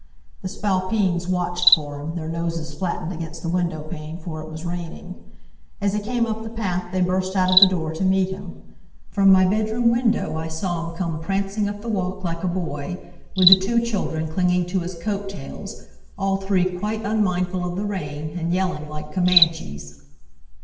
The Spalpeens watched for him, their noses flattened against the window pane, for it was raining. As he came up the path they burst out of the door to meet him. From my bedroom window I saw him come prancing up the walk like a boy, with the two children clinging to his coat tails, all three quite unmindful of the rain, and yelling like Comanches.